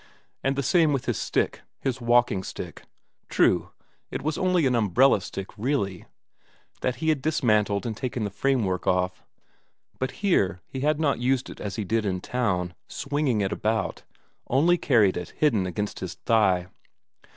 And the same with his stick his walking stick. True, it was only an umbrella stick really, that he had dismantled and taken the framework off; but here he had not used it as he did in town, swinging it about only carried it hidden against his thigh.